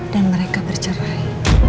dan mereka bercerai